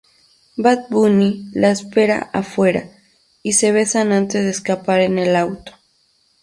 Bad Bunny la espera afuera, y se besan antes de escapar en el auto.